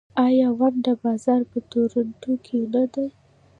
آیا د ونډو بازار په تورنټو کې نه دی؟